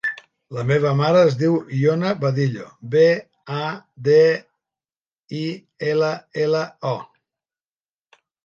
La meva mare es diu Iona Badillo: be, a, de, i, ela, ela, o.